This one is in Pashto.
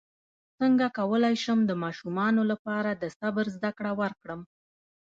څنګه کولی شم د ماشومانو لپاره د صبر زدکړه ورکړم